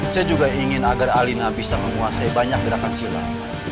saya juga ingin agar alina bisa menguasai banyak gerakan silat